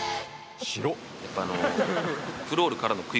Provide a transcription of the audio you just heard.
「白っ！」